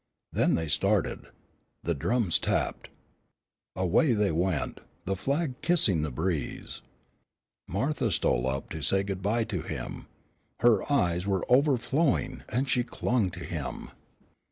Then they started. The drums tapped. Away they went, the flag kissing the breeze. Martha stole up to say good bye to him. Her eyes were overflowing, and she clung to him.